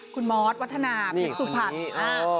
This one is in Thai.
คุณมอสวัฒนาพี่สุภัทรนี่อีกสันนี้อ้าว